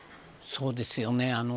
そうですよね。